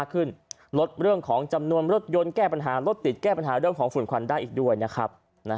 ขึ้นลดเรื่องของจำนวนรถยนต์แก้ปัญหารถติดแก้ปัญหาเรื่องของฝุ่นควันได้อีกด้วยนะครับ